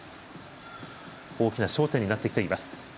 大きな焦点になってきています。